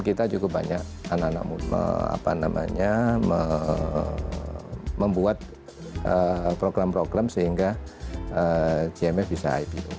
tim kita cukup banyak anak anak muda apa namanya membuat program program sehingga jmf bisa ipo